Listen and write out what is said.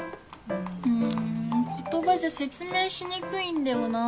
うん言葉じゃ説明しにくいんだよなぁ。